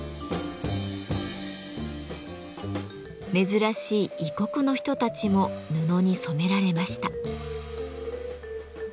珍しい異国の人たちも布に染められました。